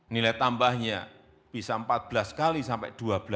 nilai tambahnya bisa empat belas kali sampai dua belas